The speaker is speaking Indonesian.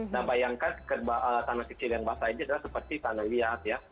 nah bayangkan tanah kecil yang basah ini adalah seperti tanah liat ya